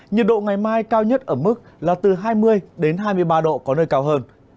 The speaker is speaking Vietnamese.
nhiệt độ ngày mai cao nhất ở mức là từ hai mươi đến hai mươi ba độ có nơi cao hơn